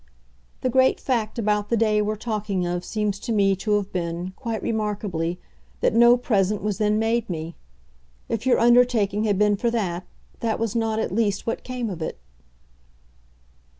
"The great fact about the day we're talking of seems to me to have been, quite remarkably, that no present was then made me. If your undertaking had been for that, that was not at least what came of it."